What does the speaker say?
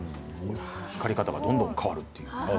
光り方がどんどん変わるという。